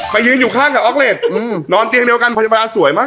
ยืนอยู่ข้างกับออกเลสนอนเตียงเดียวกันพยาบาลสวยมาก